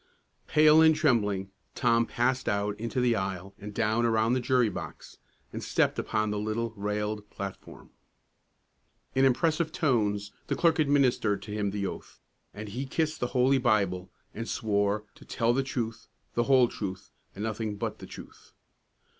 Pale and trembling, Tom passed out into the aisle and down around the jury box, and stepped upon the little railed platform. In impressive tones, the clerk administered to him the oath, and he kissed the Holy Bible and swore to "tell the truth, the whole truth, and nothing but the truth."